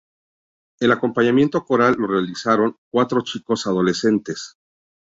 El acompañamiento coral lo realizaron cuatro chicos adolescentes.